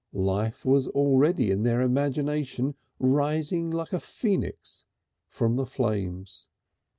Life was already in their imagination rising like a Phoenix from the flames.